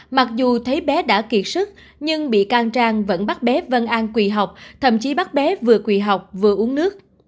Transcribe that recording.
mặc dù thấy bé đã kiệt sức nhưng bị can trang vẫn bắt bé vân an quỳ học thậm chí bắt bé vừa quỳ học vừa uống nước